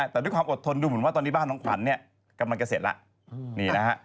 แต่ด้วยความอดทนดูเหมือนว่าตอนนี้บ้านน้องขวัญเนี่ยกำลังจะเสร็จแล้วนี่นะฮะ